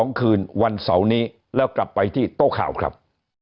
หนี้ครัวเรือนก็คือชาวบ้านเราเป็นหนี้มากกว่าทุกยุคที่ผ่านมาครับ